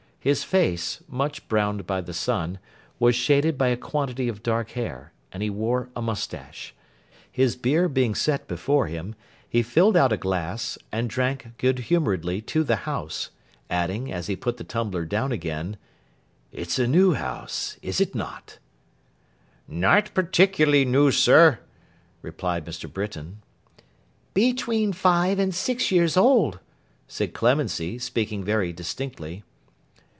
His face, much browned by the sun, was shaded by a quantity of dark hair; and he wore a moustache. His beer being set before him, he filled out a glass, and drank, good humouredly, to the house; adding, as he put the tumbler down again: 'It's a new house, is it not?' 'Not particularly new, sir,' replied Mr. Britain. 'Between five and six years old,' said Clemency; speaking very distinctly.